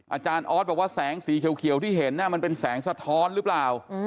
อาจารย์ออสบอกว่าแสงสีเขียวที่เห็นมันเป็นแสงสะท้อนหรือเปล่า